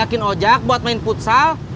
udah diajakin aja buat main futsal